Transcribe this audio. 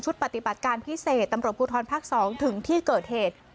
ชุดปฏิบัติการพิเศษตำรวจพุทธรพักษ์๒ถึงที่เกิดเหตุ